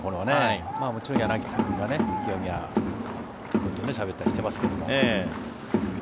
もちろん柳田君が、清宮君としゃべったりしてますけど。